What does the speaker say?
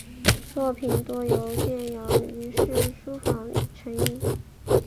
作品多由建阳余氏书坊承印。